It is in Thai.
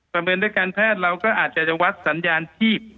เมนด้วยการแพทย์เราก็อาจจะยังวัดสัญญาณชีพ